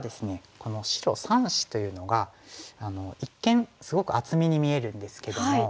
この白３子というのが一見すごく厚みに見えるんですけども。